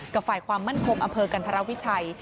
ฝ่ายความมั่นคงอำเภอกันธรวิชัย